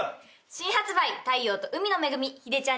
「新発売太陽と海の恵みヒデちゃん